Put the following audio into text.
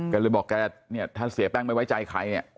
เลยบอกแกเนี่ยถ้าเสียแป้งไม่ไว้ใจใครเนี่ย